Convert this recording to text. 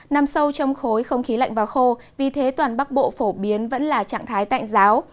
nằm sâu trong khối không khí lạnh và khô vì thế toàn bắc bộ phổ biến vẫn là trạng thái tạnh giáo